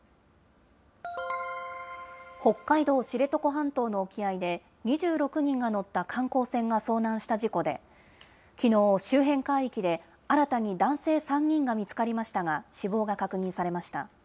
北海道知床半島の沖合で、２６人が乗った観光船が遭難した事故で、きのう、周辺海域で新たに男性３人が見つかりましたが、死亡が確認されました。